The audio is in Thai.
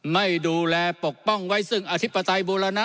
ไม่ดูแลปกป้องไว้ซึ่งอธิปไตยบูรณะ